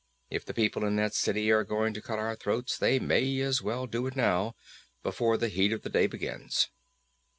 If the people in that city are going to cut our throats they may as well do it now, before the heat of the day begins."